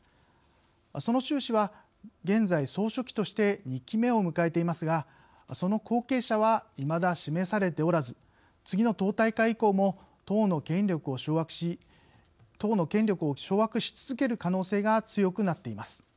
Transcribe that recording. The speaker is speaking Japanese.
その習氏は、現在総書記として２期目を迎えていますがその後継者はいまだ示されておらず次の党大会以降も党の権力を掌握し続ける可能性が強くなっています。